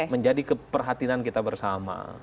menjadi keperhatinan kita bersama